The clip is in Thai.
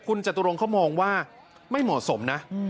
คุณจตุรงเขามองว่าไม่เหมาะสมนะ